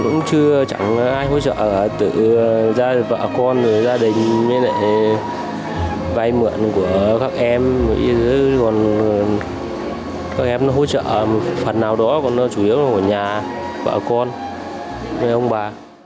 người gia đình vai mượn của các em các em hỗ trợ phần nào đó chủ yếu là nhà vợ con ông bà